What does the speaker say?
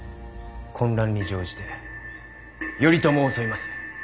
混乱に乗じて頼朝を襲います。